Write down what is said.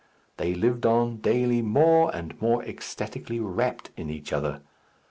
They lived on, daily more and more ecstatically wrapt in each other.